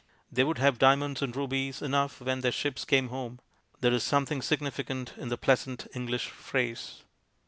They would have diamonds and rubies enough when their ships came home. There is something significant in the pleasant English phrase.